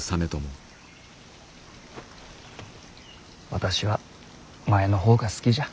私は前の方が好きじゃ。